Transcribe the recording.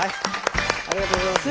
ありがとうございます。